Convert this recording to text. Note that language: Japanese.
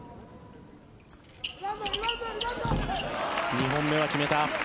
２本目は決めた。